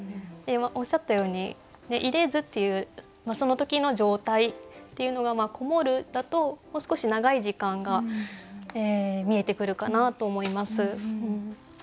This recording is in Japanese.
今おっしゃったように「出でず」っていうその時の状態っていうのが「こもる」だともう少し長い時間が見えてくるかなと思います。